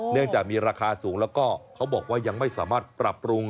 เนื่องจากมีราคาสูงแล้วก็เขาบอกว่ายังไม่สามารถปรับปรุง